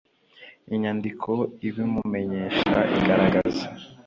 inyandiko ibimumenyesha igaragaza